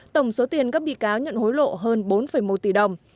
tổng số tiền các bị cáo nhận hối lộ hơn bốn một tỷ đồng